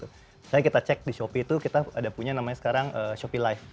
misalnya kita cek di shopee itu kita ada punya namanya sekarang shopee life